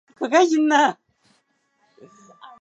曾在四川长寿县任知县。